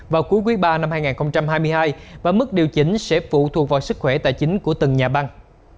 vào cuối quý ba năm hai nghìn hai mươi hai và mức điều chỉnh sẽ phụ thuộc vào sức khỏe tài chính của từng nhà băng